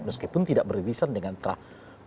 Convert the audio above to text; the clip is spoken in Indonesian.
meskipun tidak beririsan dengan jendana gitu